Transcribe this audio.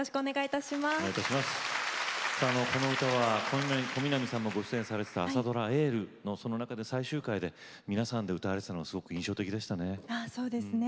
この歌は小南さんもご出演されていた朝ドラ「エール」の最終回で皆さんで歌われていたのがすごく印象的でしたね。